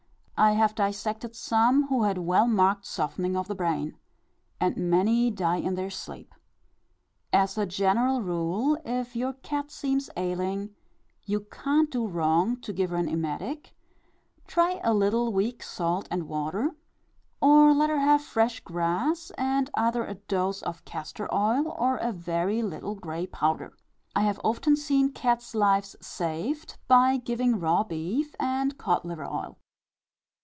I have dissected some who had well marked softening of the brain. And many die in their sleep. As a general rule, if your cat seems ailing, you can't do wrong to give her an emetic try a little weak salt and water; or let her have fresh grass, and either a dose of castor oil, or a very little grey powder. I have often seen cats' lives saved, by giving raw beef and cod liver oil.